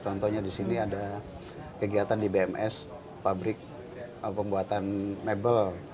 contohnya di sini ada kegiatan di bms pabrik pembuatan mebel